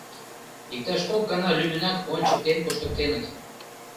Иктаж кок гана лӱмынак ончыктен коштыктеныт.